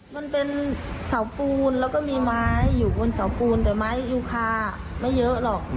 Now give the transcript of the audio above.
มันเป็นเสาปูนแล้วก็มีไม้อยู่บนเสาปูนแต่ไม้ยูคาไม่เยอะหรอก